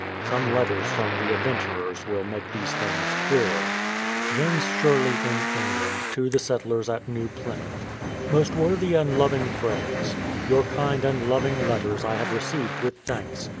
Some letters from the adventurers will make these things clearer. James Shcrley in England to the Settlers at Nezv Plymouth: Most worthy and loving Friends, Your kind and loving letters I have received with thanks.